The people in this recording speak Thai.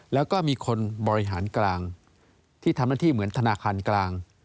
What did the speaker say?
แล้วก็มีคนบริหารกลางที่ทำหน้าที่เหมือนธนาคารกลาง